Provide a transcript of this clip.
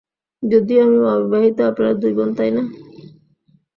যদিও আমি অবিবাহিত আপনারা দুই বোন তাই না?